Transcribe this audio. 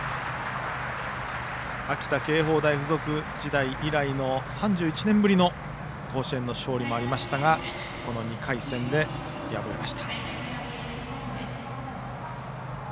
秋田経法大付属時代以来の３１年ぶりの甲子園の勝利もありましたが２回戦で敗れました。